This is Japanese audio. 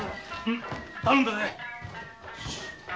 ン頼んだぜ。